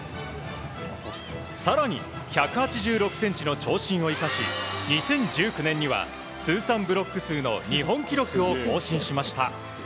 更に１８６ｃｍの長身を生かし２０１９年には通算ブロック数の日本記録を更新しました。